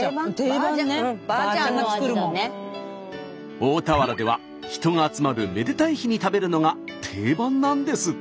大田原では人が集まるめでたい日に食べるのが定番なんですって。